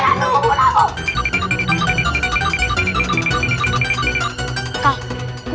eh jangan ambilkan kupon aku